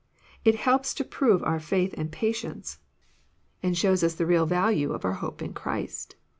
It helps to prove our fkith and patience, and shows us the JOHN, CUAP. XI. 229 real valae of our hope in Christ.